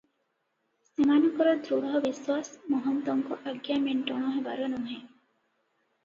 ସେମାନଙ୍କର ଦୃଢ ବିଶ୍ୱାସ, ମହନ୍ତଙ୍କ ଆଜ୍ଞା ମେଣ୍ଟଣ ହେବାର ନୁହେଁ ।